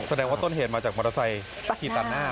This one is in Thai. แสดงว่าต้นเหตุมาจากมอเตอร์ไซค์ขี่ตัดหน้า